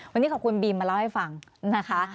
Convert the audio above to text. วันนี้ขอบคุณบีมมาเล่าให้ฟังนะคะ